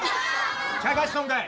ちゃかしとんかい？